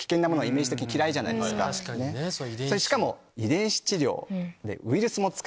しかも。